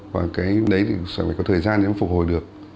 và cái đấy thì sẽ phải có thời gian để nó phục hồi được